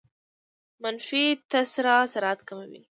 منفي تسارع سرعت کموي.